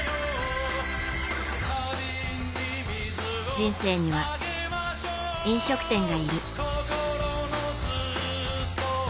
人生には、飲食店がいる。